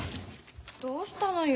どうしたのよ。